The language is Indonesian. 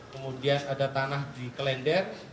kemudian ada tanah di klender